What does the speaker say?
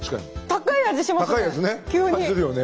高い味しますよね！